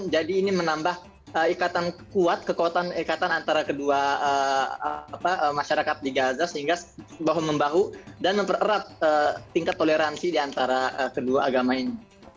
jadi ini menambah ikatan kuat kekuatan ikatan antara kedua masyarakat di gaza sehingga membahu membahu dan mempererat tingkat toleransi di antara kedua agama ini